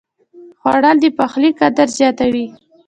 خوړل د پخلي قدر زیاتوي